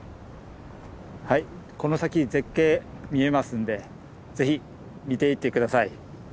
はいこの先絶景見えますんでぜひ見ていって下さい。